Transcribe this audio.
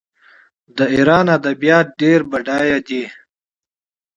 د ایران ادبیات ډیر بډایه دي.